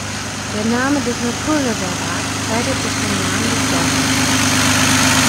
Der Name des Naturreservats leitet sich vom Namen des Dorfes ab.